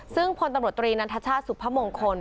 ซึ่งพลตำรวจตรีนันทชาติสุพมงคล